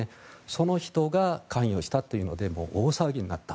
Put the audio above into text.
その人が関与したというので大騒ぎになった。